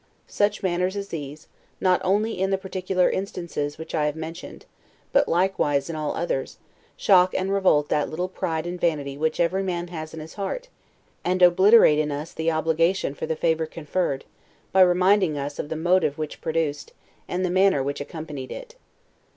Such manners as these, not only in the particular instances which I have mentioned, but likewise in all others, shock and revolt that little pride and vanity which every man has in his heart; and obliterate in us the obligation for the favor conferred, by reminding us of the motive which produced, and the manner which accompanied it.